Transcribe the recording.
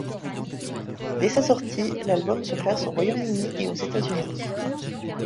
Dès sa sortie, l'album se classe au Royaume-Uni et aux États-Unis.